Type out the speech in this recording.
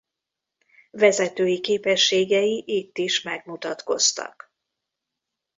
Vezetői képességei itt is megmutatkoztak.